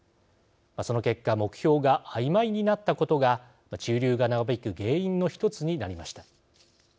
その結果目標があいまいになったことが駐留が長引く原因の一つになりました。